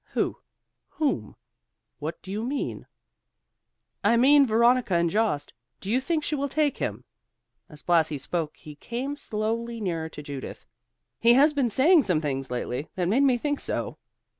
"Who? whom? what do you mean?" "I mean Veronica and Jost. Do you think she will take him?" As Blasi spoke he came slowly nearer to Judith. "He has been saying some things lately, that made me think so."